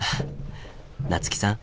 夏木さん